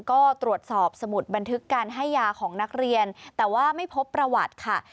ก็ตรวจสอบสมุดบันทึกการให้ยาของนักเรียนแต่ว่าไม่พบประวัติค่ะ